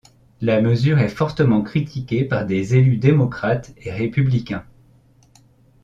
La mesure est fortement critiquée par des élus démocrates et républicains.